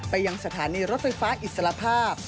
ไปยังสถานีรถไฟฟ้าอิสระภาพ